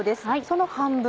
その半分。